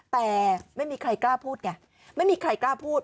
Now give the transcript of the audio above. แต่ไม่มีใครกล้าพูดไงไม่มีใครกล้าพูด